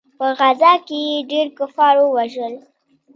په غزا کښې يې ډېر کفار ووژل.